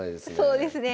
そうですね。